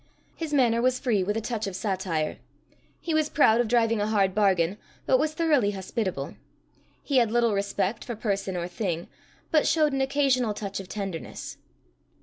His manner was free, with a touch of satire. He was proud of driving a hard bargain, but was thoroughly hospitable. He had little respect for person or thing, but showed an occasional touch of tenderness.